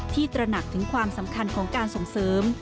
ตระหนักถึงความสำคัญของการส่งเสริม